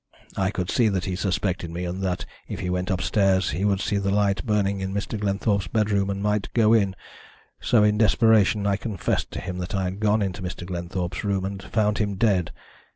"I could see that he suspected me, and that if he went upstairs he would see the light burning in Mr. Glenthorpe's bedroom, and might go in. So, in desperation, I confessed to him that I had gone into Mr. Glenthorpe's room, and found him dead.